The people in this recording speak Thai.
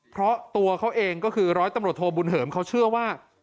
เพราะตัวเขาเองก็คือร้อยตำรวจโทบุญเหิมเขาเชื่อว่า